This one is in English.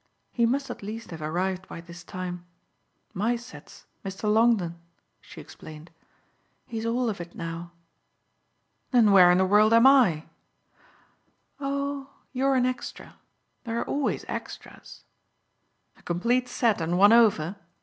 He must at least have arrived by this time. My set's Mr. Longdon," she explained. "He's all of it now." "Then where in the world am I?" "Oh you're an extra. There are always extras." "A complete set and one over?"